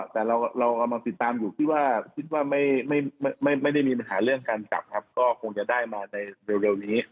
แต่เรากำลังติดตามอยู่ที่ว่าคิดว่าไม่ได้มีปัญหาเรื่องการจับครับก็คงจะได้มาในเร็วนี้